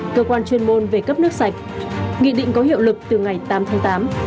cơ quan chuyên môn về cấp nước sạch nghị định có hiệu lực từ ngày tám tháng tám